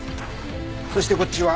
そしてこっちは